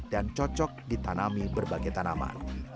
dan cocok ditanami berbagai tanaman